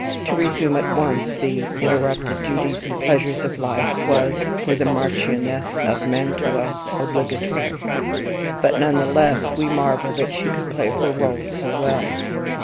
To resume at once the interrupted duties and pleasures of life was, for the Marchioness of Mantua, obligatory; but none the less we marvel that she could play her role so well.